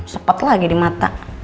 sepet lagi di mata